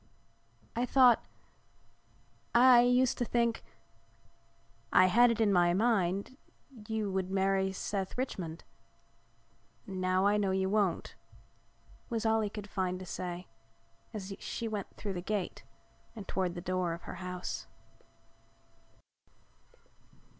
"I thought—I used to think—I had it in my mind you would marry Seth Richmond. Now I know you won't," was all he could find to say as she went through the gate and toward the door of her house.